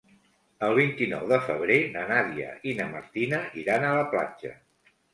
El vint-i-nou de febrer na Nàdia i na Martina iran a la platja.